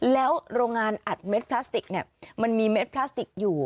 แล้วโรงงานอัดเม็ดพลาสติกเนี่ยมันมีเม็ดพลาสติกอยู่